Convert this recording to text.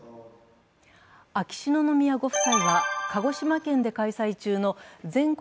秋篠宮ご夫妻は鹿児島県で開催中の全国